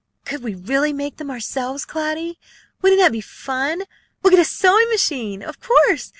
"Could we really make them ourselves, Cloudy? Wouldn't that be fun? We'll get a sewing machine, of course.